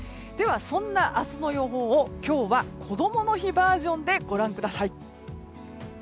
そんな明日の予報を今日は、こどもの日バージョンでご覧ください。